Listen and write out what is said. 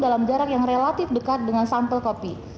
dalam jarak yang relatif dekat dengan sampel kopi